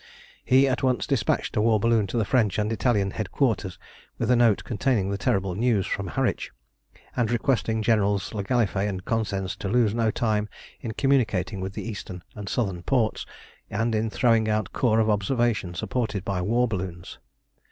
He at once despatched a war balloon to the French and Italian headquarters with a note containing the terrible news from Harwich, and requesting Generals le Gallifet and Cosensz to lose no time in communicating with the eastern and southern ports, and in throwing out corps of observation supported by war balloons.